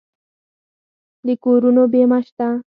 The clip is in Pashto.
د کورونو بیمه شته؟